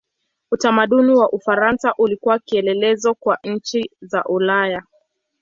Utamaduni wa Ufaransa ulikuwa kielelezo kwa nchi za Ulaya.